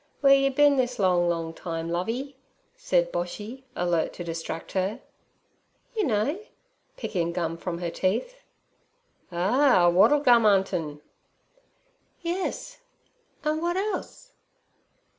'W'eere yer bin this long, long time, Lovey?' said Boshy, alert to distract her. 'You know' picking the gum from her teeth. 'Ah! a wattle gum 'untin'.' 'Yes; an' w'at else?'